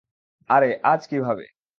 আরে, আজ কিভাবে?